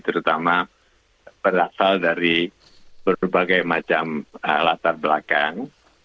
terutama berasal dari berbagai macam latar belakang